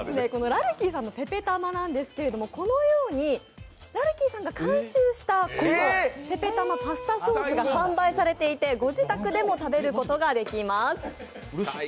らるきいさんのぺぺたまなんですけど、このようにらるきいさんが監修したぺぺたまパスタソースが販売されていて、ご自宅でも食べることができます。